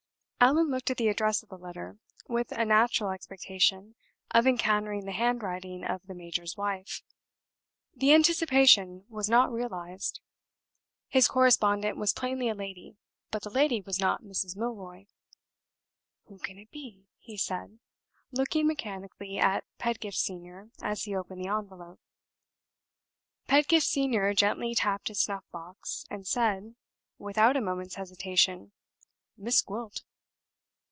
Allan looked at the address of the letter with a natural expectation of encountering the handwriting of the major's wife. The anticipation was not realized. His correspondent was plainly a lady, but the lady was not Mrs. Milroy. "Who can it be?" he said, looking mechanically at Pedgift Senior as he opened the envelope. Pedgift Senior gently tapped his snuff box, and said, without a moment's hesitation, "Miss Gwilt."